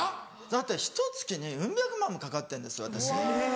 だってひと月にウン百万もかかってんです私。